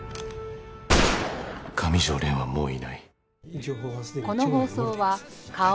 上條はもういない。